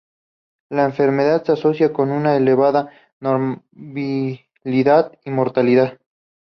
La enfermedad se asocia con una elevada morbilidad y mortalidad.